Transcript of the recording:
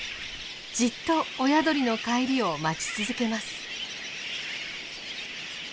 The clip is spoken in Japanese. じっと親鳥の帰りを待ち続けます。